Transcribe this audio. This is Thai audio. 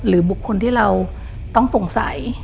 บุคคลที่เราต้องสงสัย